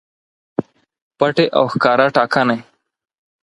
پټې او ښکاره ټاکنې